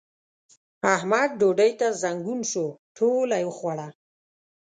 احمد ډوډۍ ته زنګون شو؛ ټوله يې وخوړله.